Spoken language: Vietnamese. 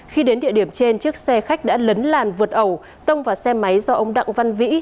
khi đến địa điểm trên chiếc xe khách đã lấn làn vượt ẩu tông vào xe máy do ông đặng văn vĩ